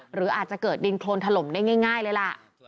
หรืออาจจะเกิดดินโครนถล่มได้ง่ายเลยล่ะ